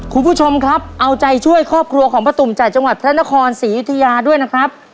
คุณผู้ชมครับเอาใจช่วยครอบครัวของป้าตุ๋มจากจังหวัดพระนครศรีอยุธยาด้วยนะครับ